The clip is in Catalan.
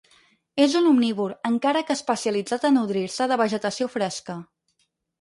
És un omnívor, encara que especialitzat a nodrir-se de vegetació fresca.